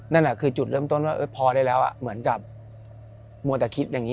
นั่นคือจุดเริ่มต้นว่าพอได้แล้วเหมือนกับมัวแต่คิดอย่างนี้